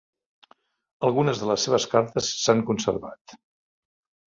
Algunes de les seves cartes s'han conservat.